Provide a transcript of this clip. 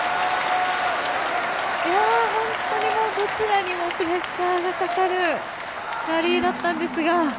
本当にどちらにもプレッシャーがかかるラリーだったんですが。